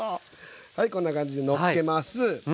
はいこんな感じでのっけます。